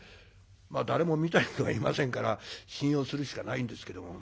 まあ誰も見た人がいませんから信用するしかないんですけども。